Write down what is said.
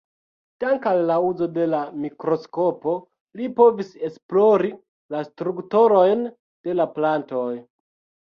Dank'al la uzo de la mikroskopo li povis esplori la strukturojn de la plantoj.